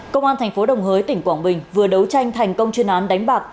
công an thành phố đồng hới tỉnh quảng bình vừa đấu tranh thành công chuyên án đánh bạc